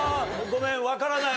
ごめん。